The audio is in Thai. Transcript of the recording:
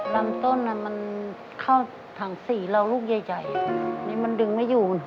ลำต้นมันเข้าถัง๔เราลูกใหญ่นี่มันดึงไม่อยู่